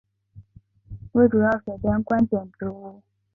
为主要水边观景植物。